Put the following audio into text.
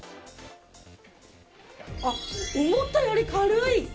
思ったより軽い！